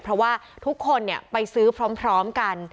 เพราะว่าทุกคนไปซื้อพร้อมกัน